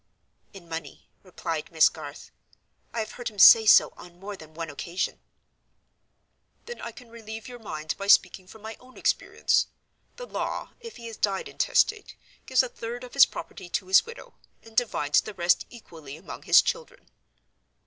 "In money," replied Miss Garth. "I have heard him say so on more than one occasion." "Then I can relieve your mind by speaking from my own experience. The law, if he has died intestate, gives a third of his property to his widow, and divides the rest equally among his children."